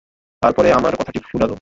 তার পরে আমার কথাটি ফুরালো।